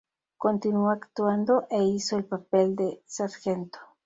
Continuó actuando e hizo el papel de Sgt.